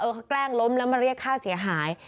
เขาแกล้งล้มแล้วมาเรียกค่าเสียหาย